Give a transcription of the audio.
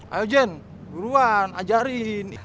ayo jen duluan ajarin